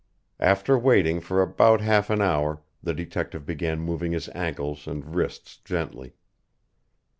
After waiting for about half an hour, the detective began moving his ankles and wrists gently.